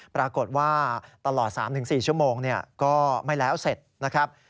ปรากฏว่าตลอด๓๔ชั่วโมงก็ไม่แล้วเสร็จนะครับ